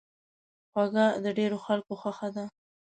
خوږه د ډېرو خلکو خوښه ده.